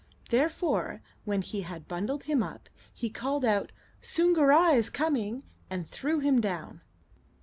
Therefore, when he had bundled him up, he called out, "Soongoora is coming!" and threw him down.